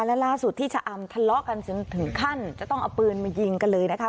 และล่าสุดที่ชะอำทะเลาะกันถึงขั้นจะต้องเอาปืนมายิงกันเลยนะคะ